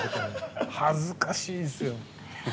恥ずかしいですよ。